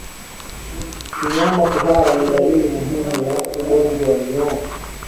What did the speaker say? Mnyama kuhara ni dalili muhimu ya ugonjwa wa minyoo